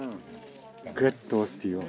グッと押してよ。